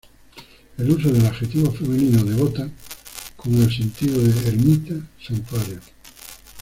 El uso del adjetivo femenino "devota" con el sentido de "ermita", "santuario".